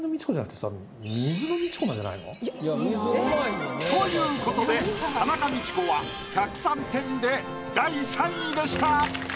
なんじゃないの？ということで田中道子は１０３点で第３位でした。